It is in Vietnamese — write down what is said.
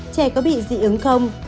trẻ có bị dị ứng không